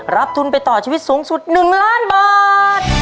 ทุนไปต่อชีวิตสูงสุด๑ล้านบาท